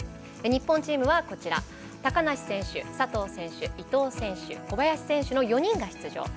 日本チームはこちら高梨選手、佐藤選手、伊藤選手小林選手の４人が出場。